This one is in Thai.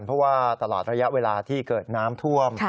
เพราะว่าตลอดระยะเวลาที่เกิดน้ำท่วม